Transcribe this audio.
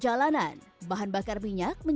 tergantung dapat membagi bahan ini